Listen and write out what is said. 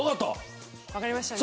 わかりましたね。